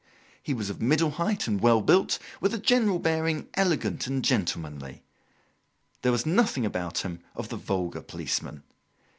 He was of middle height and well built, with a general bearing elegant and gentlemanly. There was nothing about him of the vulgar policeman.